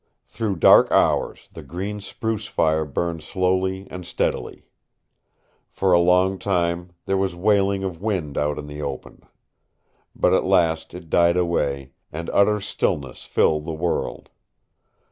Through dark hours the green spruce fire burned slowly and steadily. For a long time there was wailing of wind out in the open. But at last it died away, and utter stillness filled the world.